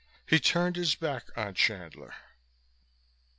He turned his back on Chandler.